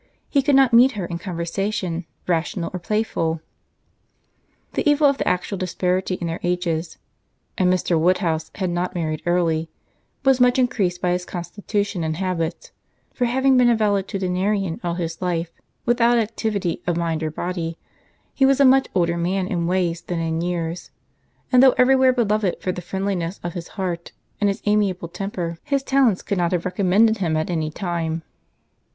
He could not meet her in conversation, rational or playful. The evil of the actual disparity in their ages (and Mr. Woodhouse had not married early) was much increased by his constitution and habits; for having been a valetudinarian all his life, without activity of mind or body, he was a much older man in ways than in years; and though everywhere beloved for the friendliness of his heart and his amiable temper, his talents could not have recommended him at any time.